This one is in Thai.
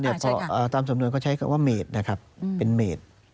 คือตามสำนวนก็ใช้คำว่าเม็ดนะครับเป็นเม็ด